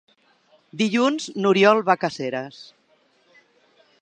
Dilluns n'Oriol va a Caseres.